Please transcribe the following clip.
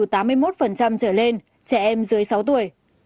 hai mươi một trở lên trẻ em dưới sáu tuổi